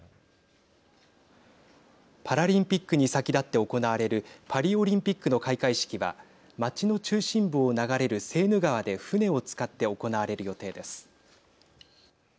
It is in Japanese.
パラリンピックに先立って行われるパリオリンピックの開会式は街の中心部を流れるセーヌ川で船を使って行われる予定です。